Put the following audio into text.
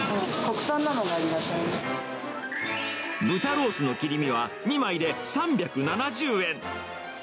豚ロースの切り身は、２枚で３７０円。